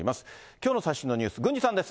きょうの最新のニュース、郡司さんです。